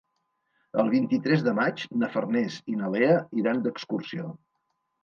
El vint-i-tres de maig na Farners i na Lea iran d'excursió.